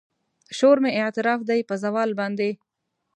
شور مې اعتراف دی په زوال باندې